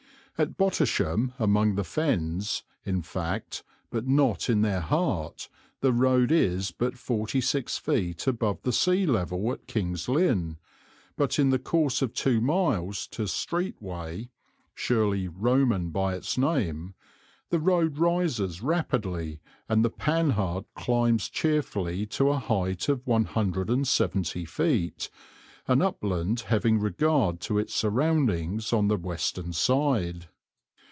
At Bottisham, among the Fens, in fact, but not in their heart, the road is but forty six feet above the sea level at King's Lynn, but in the course of two miles to Street Way (surely Roman by its name) the road rises rapidly and the Panhard climbs cheerfully to a height of 170 feet, an upland having regard to its surroundings on the western side.